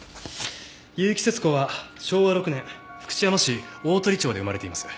結城節子は昭和６年福知山市大鳥町で生まれています。